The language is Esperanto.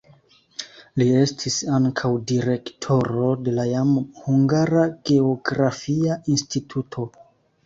Li estis ankaŭ direktoro de la jam hungara geografia instituto.